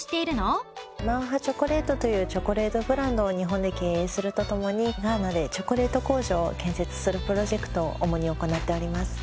ＭＡＡＨＡＣＨＯＣＯＬＡＴＥというチョコレートブランドを日本で経営するとともにガーナでチョコレート工場を建設するプロジェクトを主に行っております。